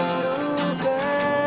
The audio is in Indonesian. jangan lupa ya